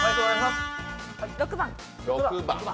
６番。